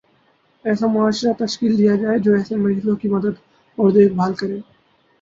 ایسا معاشرہ تشکیل دیا جائےجو ایسے مریضوں کی مدد اور دیکھ بھال کرے